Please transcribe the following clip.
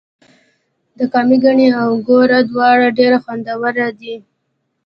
د کامې ګني او ګوړه دواړه ډیر خوندور دي.